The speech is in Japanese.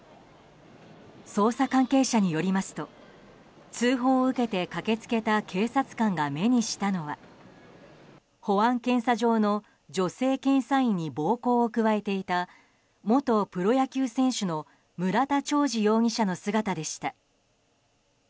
捜査関係者によりますと通報を受けて駆け付けた警察官が目にしたのは保安検査場の女性検査員に暴行を加えていた元プロ野球選手の村田兆治容疑者の姿でした。